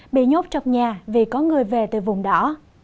bị nhốt trong nhà vì có người về từ vùng đỏ